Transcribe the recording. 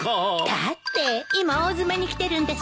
だって今大詰めにきてるんですもの。